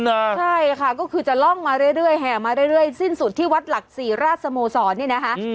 ใช่ค่ะก็คือจะล่องมาเรื่อยแห่มาเรื่อยสิ้นสุดที่วัดหลักศรีราชสโมสรนี่นะคะ